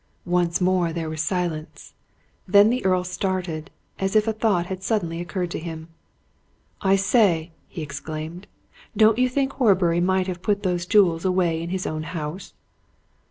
Once more there was silence. Then the Earl started as if a thought had suddenly occurred to him. "I say!" he exclaimed, "don't you think Horbury may have put those jewels away in his own house?"